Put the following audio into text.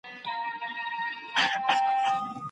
ایا هغه په ګڼ ځای کي د ږغ سره ډوډۍ راوړه؟